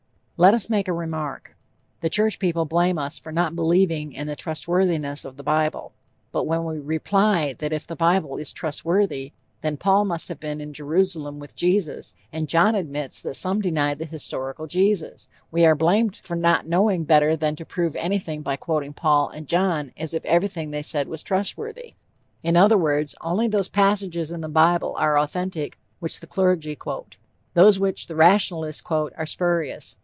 Let us make a remark: The church people blame us for not believing in the trustworthiness of the bible; but when we reply that if the bible is trustworthy, then Paul must have been in Jerusalem with Jesus, and John admits that some denied the historical Jesus, we are blamed for not knowing better than to prove anything by quoting Paul and John as if everything they said was trustworthy. In other words, only those passages in the bible are authentic which the clergy quote; those which the rationalists quote are spurious.